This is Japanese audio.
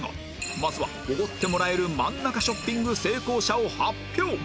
まずはおごってもらえる真ん中ショッピング成功者を発表